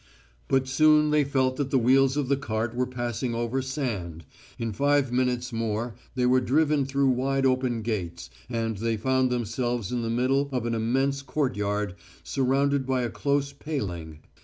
But soon they felt that the wheels of the cart were passing over sand. In five minutes more they were driven through wide open gates, and they found themselves in the middle of an immense courtyard surrounded by a close paling.